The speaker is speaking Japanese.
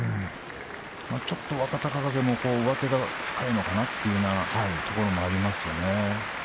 ちょっと若隆景の上手が深いのかなというところもありますね。